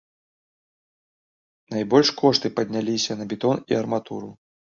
Найбольш кошты падняліся на бетон і арматуру.